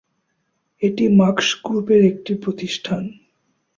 এটি মার্কস গ্রুপের একটি প্রতিষ্ঠান।